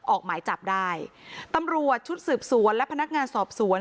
ออกหมายจับได้ตำรวจชุดสืบสวนและพนักงานสอบสวน